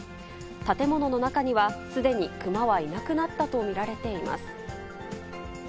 建物の中には、すでにクマはいなくなったと見られています。